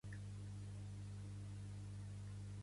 En quin fet ha sigut pionera de Catalunya?